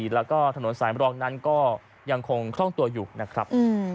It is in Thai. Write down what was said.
แล้วก็ถนนสายมรองนั้นก็ยังคงคล่องตัวอยู่นะครับ